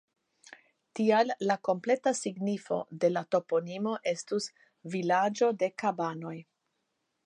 Tial la kompleta signifo de la toponimo estus "vilaĝo de kabanoj".